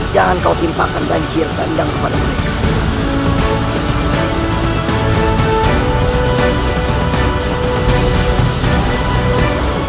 jangan kau timpakan banjir bandang kepada mereka